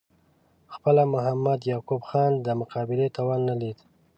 خپله محمد یعقوب خان د مقابلې توان نه لید.